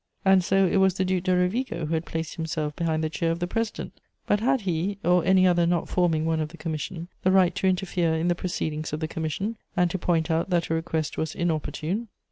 And so it was the Duc de Rovigo who had "placed himself behind the chair" of the president? But had he, or any other not forming one of the commission, the right to interfere in the proceedings of the commission, and to point out that a request was "inopportune"?